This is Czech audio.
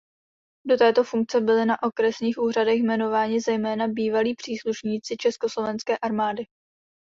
Do této funkce byli na okresních úřadech jmenováni zejména bývalí příslušníci československé armády.